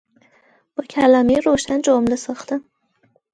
بشکهُ نفت